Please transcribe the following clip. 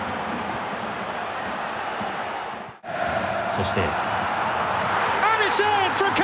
そして。